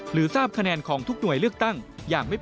หรือทราบคะแนนของทุกหน่วยเลือกตั้ง